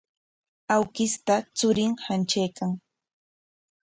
Awkishta churin hantraykan.